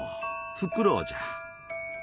フクロウじゃ。